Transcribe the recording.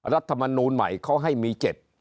รัฐมนูลใหม่เขาให้มี๗